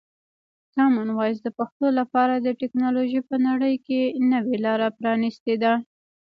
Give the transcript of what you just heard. کامن وایس د پښتو لپاره د ټکنالوژۍ په نړۍ کې نوې لاره پرانیستې ده.